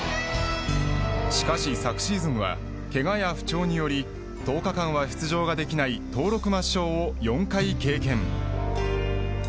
しかし昨シーズンはけがや不調により１０日間は出場ができない登録抹消を４回経験。